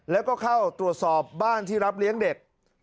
แล้วก็เข้าตรวจสอบบ้านที่รับเลี้ยงเด็ก